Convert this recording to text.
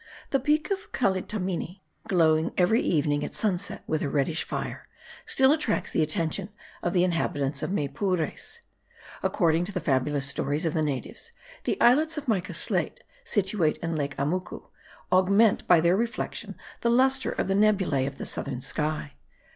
The peak of Calitamini, glowing every evening at sunset with a reddish fire, still attracts the attention of the inhabitants of Maypures. According to the fabulous stories of the natives, the islets of mica slate, situate in lake Amucu, augment by their reflection the lustre of the nebulae of the southern sky.